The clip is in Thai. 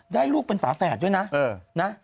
ลูกเป็นฝาแฝดด้วยนะ